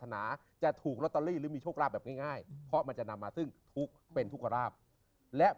นั้นแปลว่า